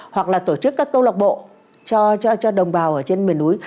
hoặc là tổ chức các câu lạc bộ cho đồng bào ở trên miền núi